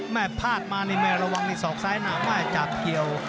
แม่พลาดมานี่ระวังนี่สอกซ้ายหน้าว่าจะเกี่ยว